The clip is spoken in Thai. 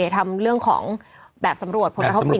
ทำเรื่องของแบบสำรวจผลกระทบสิ่งแวดล้อมก่อน